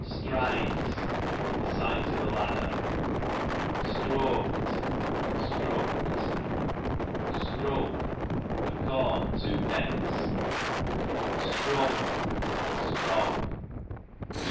Strines, the sides of a ladder. Stroakt, stroaked. Stroke, of corn two pecks. Strung, strong.